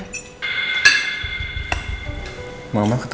mama ketemu sama bu chandra